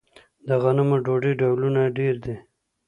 د غنمو ډوډۍ ډولونه ډیر دي.